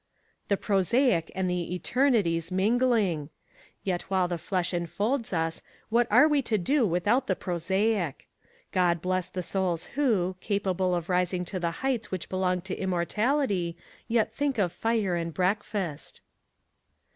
The prosaic and the eternities mingling! Yet while the flesh enfolds us, what are we to do without the prosaic? God bless the souls who, capable of rising to the heights which belong to immortality, yet think of fire and breakfast.